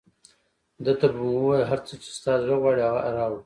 ده ته به مو ویل، هر څه چې ستا زړه غواړي هغه راوړه.